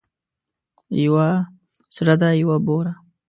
یوه سره ده یوه بوره.